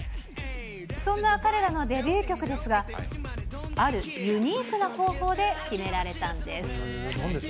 そんな彼らのデビュー曲ですが、あるユニークな方法で決められたんです。